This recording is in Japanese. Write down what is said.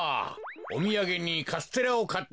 おみやげにカステラをかってきたぞ。